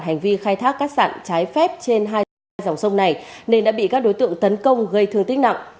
hành vi khai thác các sản trái phép trên hai dòng sông này nên đã bị các đối tượng tấn công gây thương tích nặng